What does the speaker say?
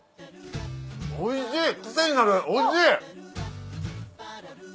おいしい癖になるおいしい！